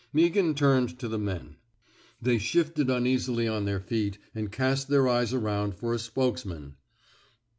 Meaghan turned to the men. They shifted uneasily on their feet and cast their eyes around for a spokesman.